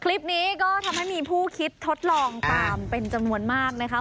คลิปนี้ก็ทำให้มีผู้คิดทดลองตามเป็นจำนวนมากนะคะ